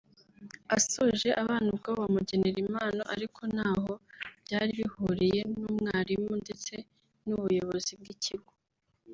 asoje abana ubwabo bamugenera impano ariko ntaho byari bihuriye n’umwarimu ndetse n’ubuyobozi bw’ikigo